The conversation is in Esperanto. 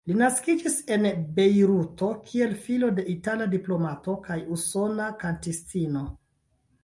Li naskiĝis en Bejruto kiel filo de itala diplomato kaj usona kantistino.